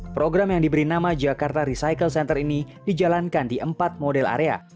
program yang diberi nama jakarta recycle center ini dijalankan di empat model area